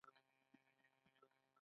آیا او په پوره تدبیر سره نه وي؟